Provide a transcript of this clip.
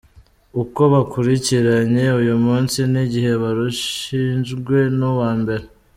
Uko bakurikiranye uyu munsi n’igihe barushijwe n’uwa mbere